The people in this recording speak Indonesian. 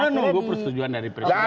menunggu persetujuan dari presiden